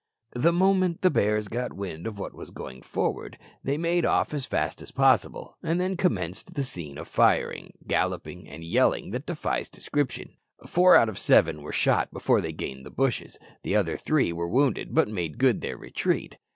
The moment the bears got wind of what was going forward they made off as fast as possible, and then commenced a scene of firing, galloping, and yelling that defies description! Four out of the seven were shot before they gained the bushes; the other three were wounded, but made good their retreat.